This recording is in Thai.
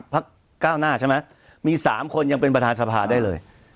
พักเก้าหน้าใช่มั้ยมีสามคนยังเป็นประธานสภาได้เลย